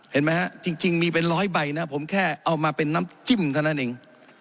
เห็นไหมฮะจริงมีเป็นร้อยใบนะผมแค่เอามาเป็นน้ำจิ้มเท่านั้นเอง